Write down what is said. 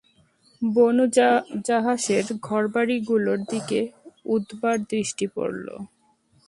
বনু জাহাসের ঘরবাড়ীগুলোর দিকে উৎবার দৃষ্টি পড়ল।